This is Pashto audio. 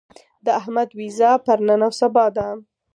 د احمد وېزه پر نن او سبا ده.